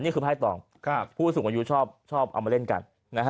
นี่คือภายต่อผู้สูงวัยยูชอบเอามาเล่นกัน